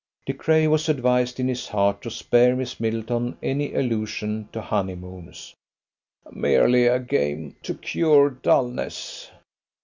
De Craye was advised in his heart to spare Miss Middleton any allusion to honeymoons. "Merely a game to cure dulness."